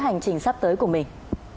hành trình sắp tới của mình